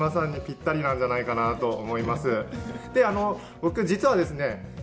僕実はですね先輩。